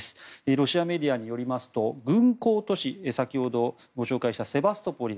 ロシアメディアによりますと軍港都市先ほど紹介したセバストポリ。